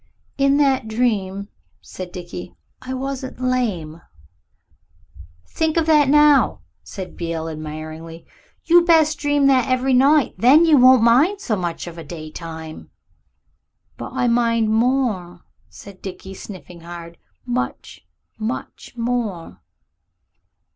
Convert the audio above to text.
"In that dream," said Dickie, "I wasn't lame." "Think of that now," said Beale admiringly. "You best dream that every night. Then you won't mind so much of a daytime." "But I mind more," said Dickie, sniffing hard; "much, much more."